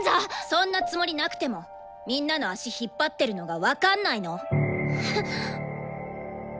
そんなつもりなくてもみんなの足引っ張ってるのが分かんないの？